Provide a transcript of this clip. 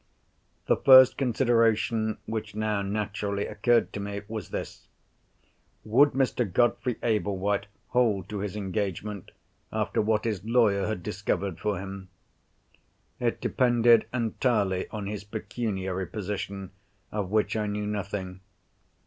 The first consideration which now naturally occurred to me was this. Would Mr. Godfrey Ablewhite hold to his engagement, after what his lawyer had discovered for him? It depended entirely on his pecuniary position, of which I knew nothing.